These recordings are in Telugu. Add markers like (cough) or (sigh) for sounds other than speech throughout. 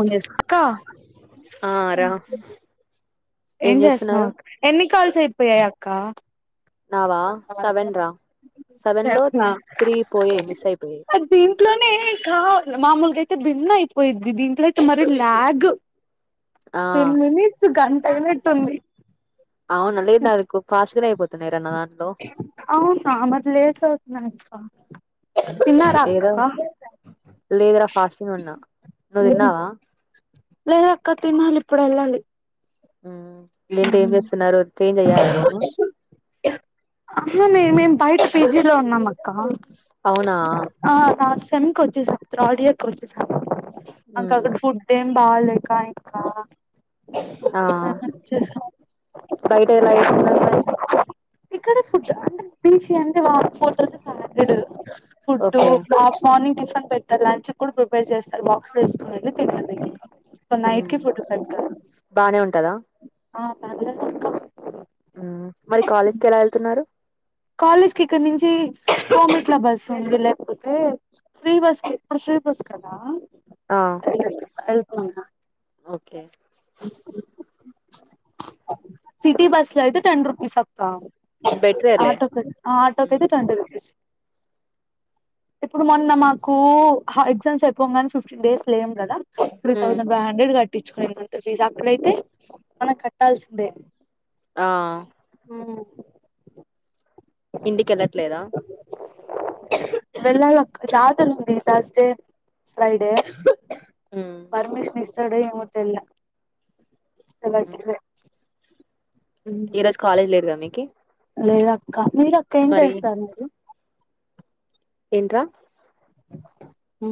ఉక్క ఆ రా ఏం చేస్తున్నావు అక్క ఎన్ని కాల్స్ అయిపోయాయి అక్క నావా సెవెన్ రా సెవెన్ లో చేస్తున్నా త్రీ పోయయి మిస్ అయిపోయి ఇంట్లోనే కాాల మామూలుగా అయితే భిన్న అయిపోయిద్ది దీంట్లో అయితే మరి లాగ్ ఆ టెన్ మినిట్స్ గంట ఎనిట్ ఉంది అవును అల ఇ నా అ ఫాస్ట్గానే అయిపోతా న అవునా మధలేస్తున్నా ఏదో లేదరా ఫాస్టింగ్ ఉన్నా నువ్వు తిన్నావా లేదా అక్క తినాలి ఇప్పుడు వెళ్ళాలి ఇలుంటి ఏం చేస్తున్నారు చేంజ్ అయ్యార ర అ మేము బయట పీజీలో ఉన్నాం అక్క అవునా ఆ నా సెమ్ కోచెస్ హక్తుారు ఆడియర్ కోచెస్క్కా ఉమ్, ఫుడ్ బాలేకా ఇయకా ఆ బయట ఎలా చేస్తున్నారు మరి ఇక్కడ ఫుడ్ అంటే బీచ్ అంటే వా హోటల్స్ సలడు ఓకే ఫుడ్డుని టిఫిన్ పెడతారు లంచ్ కూడా ప్రిపేర్ చేస్తారు బాక్స్ లో వసుకకునిెళ్ి తిిన దగ్గ ఇ నైట్ ఉమ్, క ఫట క బానే ఉంటదా మరి కాలేజ్కిి ఎలా వెళ్తున్నారు కాలేజ్ కి ఇక్కడ నుంచి కోమెంట్ల బస్ ఉంది లేకపోతే ఫ్రీ బస్ క ఫ్రీ వస్తదా ఆ వెళ్పో ఓకే, చెప్పు సిటీ బస్ లో అయితే టెన్ రూపిస్ అక్క బెట్రే ఆటోకి ఆ ఆటోక ఐతే ట్వంటీ రూపీస్ ఇప్పుడు మొన్న మాకు ఎగ్జామ్స్ అయిపోంగనె ఫిఫ్టీన్ డేస్ లేం కదా త్రి ఉమ్, థౌజండ్ ఫైవ్ హండ్రెడ్ కట్టించుకునింత ఫీజ్ అక్కడైతే మనం కట్టాల్సిందే ఆ మ్మ్ ఇంటికి వెళ్ళట్లేద వెళ్లాలక్క జాత్ర ఉంది థాస్ డే ఫ్రైడే హ్మ్ పర్మిషన్ ఇస్తడు ఎవో తేల్లా ఇష్టపడ్ (unintelligible) ఈ రోజు కాలేజ్ లేదు కదా మీకి. లేదక్కా, మీరు అక్క ఏం మరి చేస్తారు నువు? ఎంట్రా మ్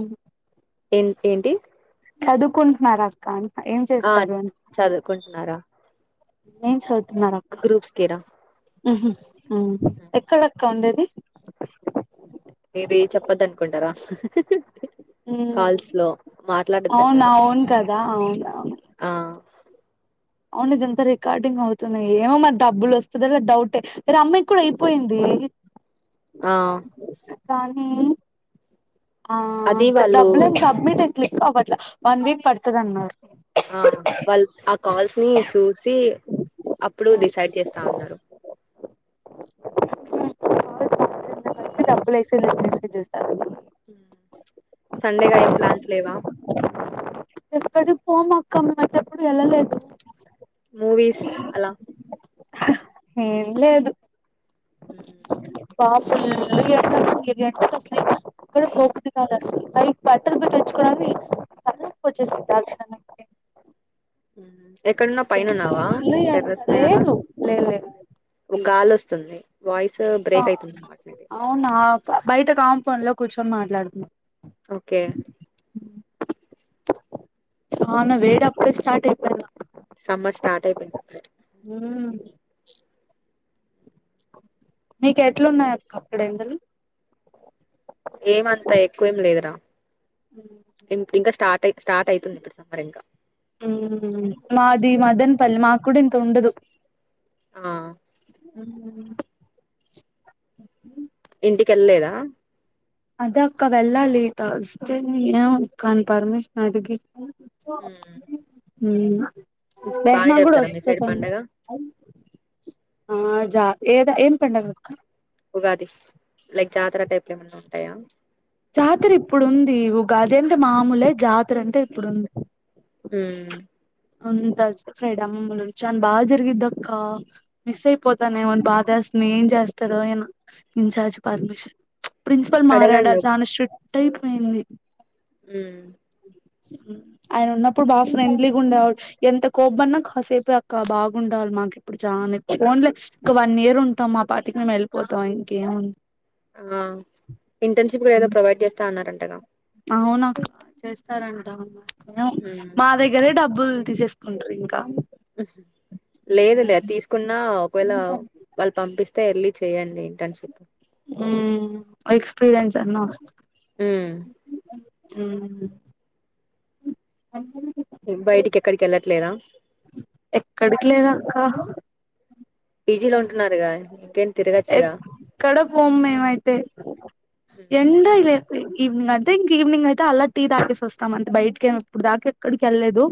ఏంట్ ఏంటి? చదువుకుంటున్నారా? అక్కా అని ఏం ఆ చేస్తారు అని. చదువుకుంటున్నారా ఏ చద్వ్ గ్రూప్స్ కీరా ఎక్కడక్క ఉండేది. ఇది చెప్పద్దు అనుకుంటారా. మ్ హూ హు మ్మ్ కాల్స్ లో మాట్లాడద్దు అవునా అన్నారు అవును కదా అవును అవును ఆ. అవును ఇదంతా రికార్డింగ్ అవుతున్నాయి. ఏమో మరి డబ్బులు వస్తదో లేదో డౌటే రమ్య కూడా అయిపోయింది. ఆ కానీ ఆ అది వాళ్ళు డబ్బులు ఏం సబ్మిట్ క్లిక్ క్ అవ్వట్ల వన్ వీక్ పడుతది అన్నారు ఆ వాళ్ళు ఆ కాల్స్ ని చూసి అప్పుడు డిసైడ్ చేస్తాన్నారు. కాల్స్ మాట్లాడిన తర్వాత డబ్బులు వేసేది లేదో చూస్తారు. సండేగా ఏం ప్లాన్స్ లేవా? ఎక్కడికి పోం అక్క మేం ఎప్పుడు వెళ్ళలేదు. మూవీస్ అలా ఏం లేదు మ్, స ల్లియాతరు లే అక్కడ బాగు లేదని అ ల అ బట్టలు పో తెచ్చుకోడానికేల్ల ఇంతా చేసింది ఆక్షణానికే ఎక్కడున్నవ్ పైన ఫుల్ ఉన్నావా? ఎండ టెర్రస్ పైన అలాగ లేదు లేదు లేదు ఒ గాలి వస్తుంది వాయిస్ బ్రేక్ అయితుంది అనమాట మీది అవునా బయట కాంపౌండ్ లో కూర్చొని మాట్లాడుతున్నా. ఓకే చానా వేడి అప్పుడే స్టార్ట్ అయిపోయింది. అక్కా సమ్మర్ స్టార్ట్ అయిపోయిందకసారి. మ్ మీకు ఎట్లున్నాయి అక్కడ ఎండలు. ఏమంతా ఎక్కువేం లేదురా. ఇంకా స్టార్ట్ స్టార్ట్ అయితుంది ఇప్పుడు సమర్ ఇంకా మ్, మాది మదనపల్లి మాకుూడంత ఉండదు. ఆ (inaudible) ఇంటికెళ్ళలేదా? అద అక్క వెళ్ళాలి తస్తే ఏ కాని పర్మిషన్ అడిగి మ్ బేహనా కూడా మీ వస్తు సైడ్ దని పండగ దా ఏద ఏం పిండాల్కా? అది లైక్ జాతర టైప్లు ఏమైన్నా ఉంటాయా? జాతర ఇప్పుడుంది. గద అంటే మామూలే జాతర అంటే ఇప్పుడుంది. మ్. ఉంతా చ్ ఫ్రైడ్ అమ్మలు ఉన్ఛాణ్ బా జరిగిద్ది అక్కా మిస్ అయిపోతానే బాదేస్తాది. నే ఏం చేస్తారో ఏమో అయన ఇన్ఛార్జ్ పర్మిషన్ ప్రిన్సిపల్ మారాడా అడగండి ఒకసారి కట్ అయిపోయింది. ఉమ్. ఆయనున్నప్పుడు బాగ ఫ్రెండ్లీగుండేవాడు. ఎంత కోబన్నా కాసేపే అక్క బాగుండాల్ మాకిప్పుడు చాని పోన్లే ఒక వన్ ఇయర్ ఉంటాం, మా పాటికి మేమెళ్ళిపోతాం ఇంకేముంది. ఇప్పుడు ఏదో ప్రొవైడ్ చేస్తా అన్నారంటగా? అవునక్క చేస్తారంట, ఏమో ఉమ్. మాదే గదా డబ్. డబ్బుల్ తీసేసుకుంటరింకా. లేదు లే అది తీసుకున్నా, ఒకవేళ వాళ్ళు పంపిస్త్ అయితే ఎల్లి చెయ్యండి ఇంటర్న్షిప్. హ్మ్మ్ ఎక్స్పీరియన్స్ అన్న వస్త ఉమ్. మ్మ్ అ బయటికెక్కడికెళ్ళట్లేద ఎక్కడికి లేదక్క పీ జీ లో ఉంటున్నారుగా ఇంకేం తిరగచ్చుగా? కడపు ఒమ్మయితే మ్మ్ ఎండ ఇలే ఇవ అ అయితే ఇంక ఈవినింగ్ అయితే అలా టీ తాే వస్తాం అంత బయకి ఏమి ఇప్పుడు దాక ఎక్కడికి వెళ్ళలేదు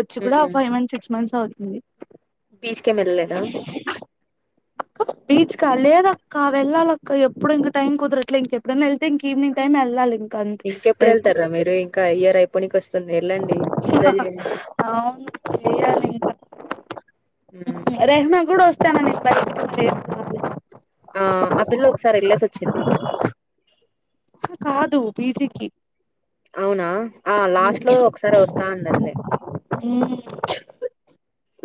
వచ్చి కూడా మ్మ్ ఫైవ్ మంత్ సిక్స్ మంత్స్ అవుతుంది బీచ్ కె మెల్లలేదా? ఆ బచ కాల త కా వెళ్ాలక్కప్పుడు ఇంకాై కుదరట్ ఇం ఎప్పుడైనా వెళ్తే ఇంక ఈవినింగ్ టైమ్ వెళ్ళాలింక ఇంకెప్పుడెళ్తార్రా మీరు? ఇంకా ఇయర్ అయిపోనికి వస్ వస్తుంది, వెళ్ళండి, ఎంజాయ్ జేయండి. రెహమా కూడా వస్తానని ప ఆ ఆపిల్లోకసారెళ్ళేసోచ్చింది. పి జి కి అవునా ఆ లాస్ట్ లో ఒకసారొస్తా అన్నదిలే.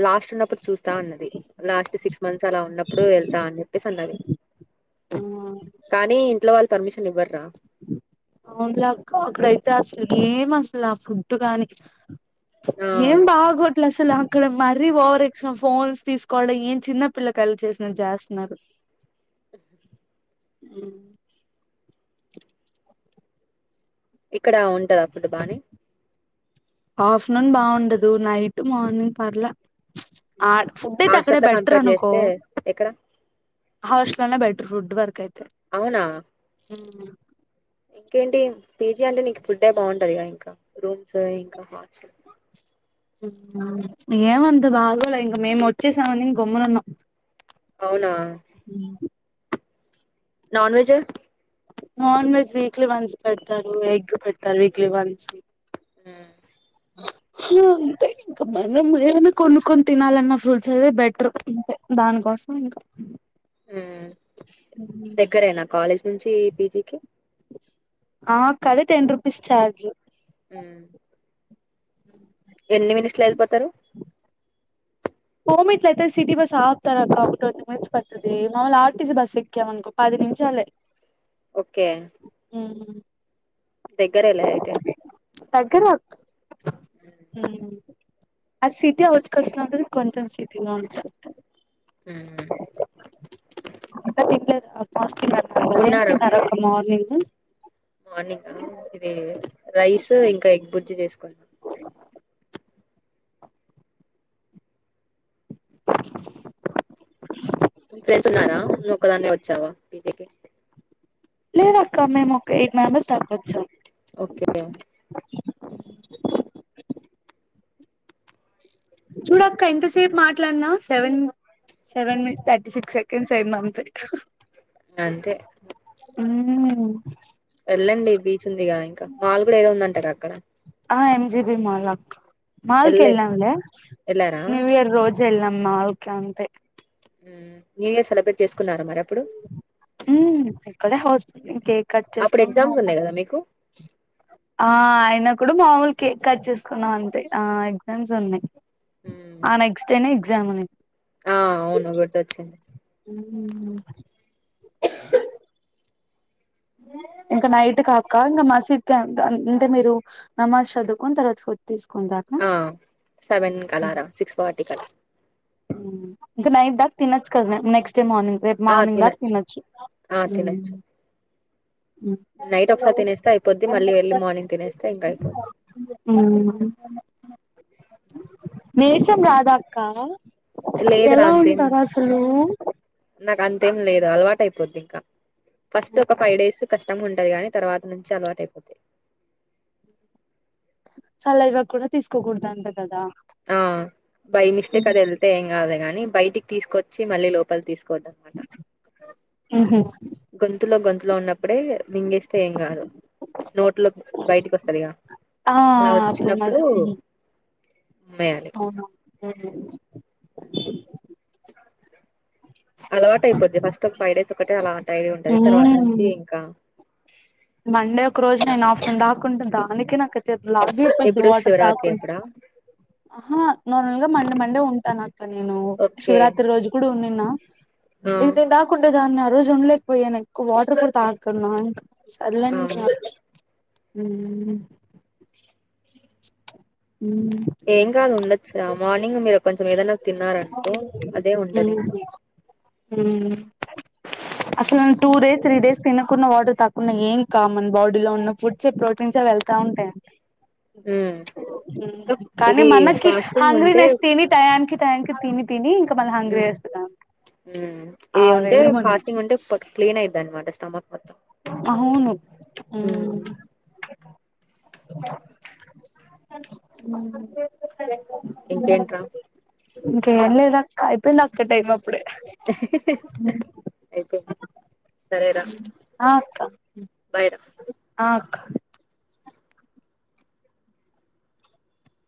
లాస్ట్ ఉన్నప్పుడు చూస్తా అన్నది. లాస్ట్ సిక్స్ మంత్స్ అలా ఉన్నప్పుడు వెళ్తా అని చెప్పేసన్నది. ఆ కానీ ఇంట్లో వాళ్ళు పర్మిషన్ ఇవ్వర్రా. అవునులే అక్క అక్కడైతే అసలు ఏం అసలు ఆ ఫుడ్ కాగాని ఆ ఏం బాగోట్లే అసలు ఇక్కడ మరీ ఓవర్ యాక్షన్ ఫోన్స్ తీసుకోవడం ఏం చిన్నపిల్ల కాయలు చేసిన చేస్తన్నారు. అ అ ఇక్కడా ఉంటద ఫుడ్ బానే? ఆఫ్టర్నూన్ బాగుండదు నైట్ మార్నింగ్ పర్లే ఆ ఫుడ్ అయితే అక్కడే హాస్టల్ తో బెటర్ కంపేర్ అనుకో చేస్తే ఎక్కడ హాస్ట్ల్ అనే బటర్ ఫుడ్ వర్క్ యితే అవునా ఇంకేంటి పీ జీ అంటే నీకు ఫుడ్డే బాగుంటదిగ, ఇంకా రూమ్స్ ఇంకా హాస్టల్ ఏమంత బాగోలే ఇంక మేము వచ్చేసామని ఇంక గమ్ములు ఉన్నాం అవునా non veg non veg weekly once పెడతారు ఎగ్ పెడతారు వీక్లీ వన్స్ మ్మ్మ్మ్ అంటే ఇంకా మనం ఏమైనా కొనుక్కొని తినాలన్న ఫ్రూట్స్ అద బెటర్ అే దానికోసం నుక మ్మ్మ్మ్ దగ్గరేనా కాలేజ్ నుంచి పీ జి కి? ఆక్కలి టెన్ రుపీీస్ చార్జ్ ఉమ్ ఎన్ని మినిట్స్ లో వెళ్ళిపోతరు. పోమెట్లయితే సిటీ బస్ ఆప్తారా ఒక పడుతుది మామలు ఆర్టిసి బస్ సవనుకో పాది నిమిషాలే ఓకే ఉ దగ్గరేలే అయితే దగ్గర ఆ అది సిటీ ఔట్ కట్స్ లో ఉంటది కొంచెం సిటీలా ఉంటది ఉహు వస్ మక ఎం తిన్నరక్క మార్నింగ్ మార్నింగ్ ఆ ఇది రైస్ ఇంకా ఎగ్ బుర్జీ చేసుకోన్నము ఇ పెతున్నారా నువ్వుక్కదాన్న వచ్చావా పీజకి లేదక్క మేము ఒక ఎయిట్ మెంబెర్స్ దాకా వచ్చం ఓకే చూడక్క ఎంతసేపు మాట్లాడినా seven seven minutes thirty six seconds అయింది అంతే అంతే ఉ వెళ్ళండి బీచ్ ఉందిగా ఇంకా మాల్ కూడా ఏదో ఉందంట అక్కడ ఆ ఎం జిబి మాల్ మాల్ క మాల్ వెళ్ళే కెల్లాము లే వెళ్ళారా న్యూ ఇయర్ రోజ్ ఎ మాల్ కే అంతే న్యూ ఇయర్ సెలబ్రేట్ చేసుకున్నారా మరి అప్పుడు ఉమ్ ఇక్కడే హస్టల్ కట్ అప్పుడు చేస్తాం అ ఎగ్జామ్స్ ఉన్నాయి కదా మీకు ఆ అయిన కూడా మామూలు కేక్ కట్ చేసుకున్నాం అంతే ఆ ఎగ్జామ్స్ ఉన్నాయి. హ్మ్. ఆ నెక్స్ట్ డేనే ఎగ్జామ్ని ఆ అవును గుర్తు వచ్చింది ఇంకా నైట్ కాక ఇంకా మసీద్ అంటే మీరు నమాజ్ చదువుకొని తర్వాత ఫుడ్ తీసుకో ఆ సెవెన్ క అలారం సిక్స్ ఫార్టీ కలా నైట్ డాక తిన కన్నా నెక్స్ట్ రేపు మార్నింగ్ రేపు మార్నింగ్ దాకా తినొచ్చు ఆ తినొచ్చు నైట్ హలో ఒకసారి తినేస్తే అయిపోద్ది మళ్ళీ ఎర్లీ మార్నింగ్ తినేస్తే ఇంకా అయిపోద్ది ఉంహు నీరసం రాదా అక్క లేదు రా ఎలా అంతేం ఉంటారు అసలు నాకు అంతేం లేదు అలవాట అయిపోద్ది ఇంకా ఫస్ట్ ఒక ఫైవ్ డేస్ కష్టం ఉంటది కాగాని తర్వాత నుంచి అలవాట అయిపోతాది సల ఇవ్వ కూడా తీసుకోకూడదు అంట కదా ఆ బై మిస్టేక్ అది వెళ్తే ఏం కాదు గాని బయటికి తీసుకొచ్చి మళ్ళీ లోపలి తీసుకు ఆహ గొంతులో గొంతులో ఉన్నప్పుడే మింగేస్తే ఏం కాదు నోట్లో బయటికి వస్తాది ఆ అలా వచ్చినప్పుడు ఉమ్మేయాలి అవున అలవాటు అయిపోద్ది ఫస్ట్ ఒక ఫైవ్ డేస్ ఒకటే అలవాటు అయి ఉంటది తర్వాత నుంచి మ్మ్ ఇంకా మండే ఒక రోజు నేను ఆఫ్టర్నూన్ దాకుంట దానికే నాకు లాగిపోద్ది ఎప్పుడు వాటర్ శివరాత్రి తాగకుండా అప్పుడా నార్మల్గా మండే మండే ఉంటా నా ఇక నేను ఓకే శివరాత్రి రోజు కూడా ఉన్నిన్నా ఆ అయిపోయిదాకా దాకుండేదాన్ని ఆరోజు ఉన్నలేక పోయిన వాటర్ కూడా తాగాకున్న సర్లే ఆ అ ఏం కాదు ఉండొచ్చురా మార్నింగ్ మీరు కొంచెం ఏదన్న తిన్నారనుకో అదే ఉంటది ఇంకా అసలు టూ డేస్ త్రీ డేస్ తిినకున్న వాటర్ తక్కున్నా ఏం కాద్ మన బాడీలో ఉన్న ఫుడ్స్ ప్రోటీన్స్ే వెళ్తా ఉంటాయంట ఉమ్ ఇంకా కానీ ఇది మనకి ఫాస్టింగ్ ఉంటే హంగ్రీనేస్త్ టయాంనికి టయాంనికి తిని తిని మళ్ళీ హంగ్రీ చేస్తున్నాం ఇది ఆ ఉంటే వేళ మంది ఫాస్టింగ్ ఉంటే క్లీన్ అవుతది అన్నమాట స్టమక్ మొత్తం ఆ అవును అ ఉమ్ ఇంకేంట్రా ఇంకేం లేదాక్క అయిపోయింది అక్క టైమ్ అయిపొం సరేరా ఆ అక్క బైరా ఆ అక్క